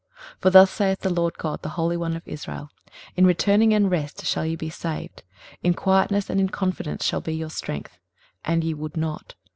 23:030:015 For thus saith the Lord GOD, the Holy One of Israel; In returning and rest shall ye be saved; in quietness and in confidence shall be your strength: and ye would not.